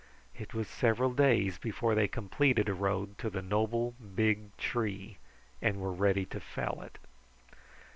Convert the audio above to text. It was several days before they completed a road to the noble, big tree and were ready to fell it.